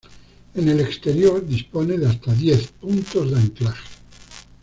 En el exterior dispone de hasta diez puntos de anclaje.